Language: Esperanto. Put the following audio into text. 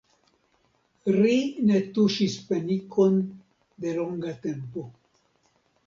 Ri ne tuŝis penikon de longa tempo.